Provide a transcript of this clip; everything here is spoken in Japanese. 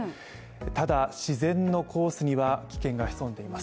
ただ自然のコースには危険が潜んでいます。